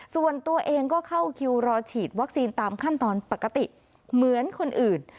ส่วนตัวเองก็เข้าคิวรอฉีดวัคซีนตามขั้นตอนปกติเหมือนคนอื่น